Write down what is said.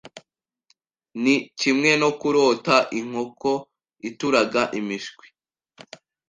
ni kimwe no kurota inkoko ituraga imishwi.